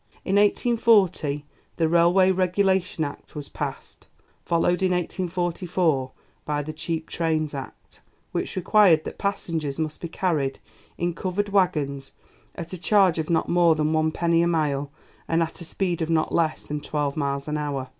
In 1840 the Railway Regulation Act was passed, followed in 1844 by the Cheap Trains Act, which required that passengers must be carried in covered waggons at a charge of not more than one penny a mile and at a speed of not less than twelve miles an hour.